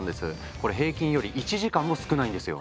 これ平均より１時間も少ないんですよ。